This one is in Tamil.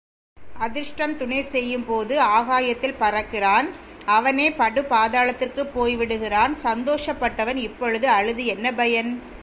அதிர்ஷ்டம் துணை செய்யும்போது ஆகாயத்தில் பறக்கிறான் அவனே படுபாதாளத்திற்குப் போய் விடுகிறான் சந்தோஷப்பட்டவன் இப்பொழுது அழுது என்ன பயன்?